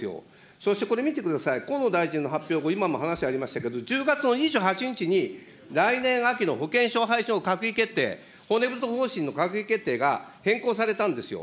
そして、これ見てください、河野大臣の発表後、今も話ありましたけれども、１０月の２８日に、来年秋の保険証廃止を閣議決定、骨太方針の閣議決定が変更されたんですよ。